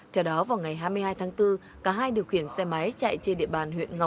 theo đó vào ngày hai mươi hai tháng bốn cả hai được khiển xe máy chạy trên địa bàn huyện năm căng